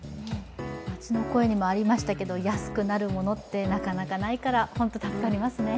街の声にもありましたけど、安くなるものってなかなかないから本当助かりますね。